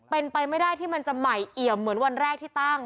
เป็นไปไม่ได้ที่มันจะใหม่เอี่ยมเหมือนวันแรกที่ตั้ง